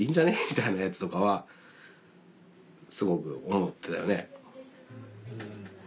みたいなやつとかはすごく思ってたよね。